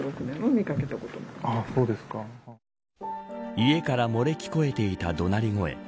家から漏れ聞こえていた怒鳴り声。